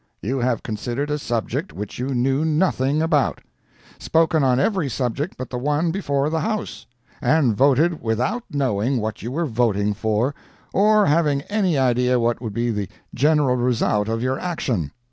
You have considered a subject which you knew nothing about; spoken on every subject but the one before the house, and voted without knowing what you were voting for or having any idea what would be the general result of your action.